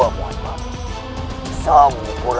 aku ingin bersemedi